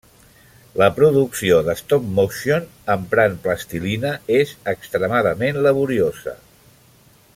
La producció de stop-motion emprant plastilina és extremadament laboriosa.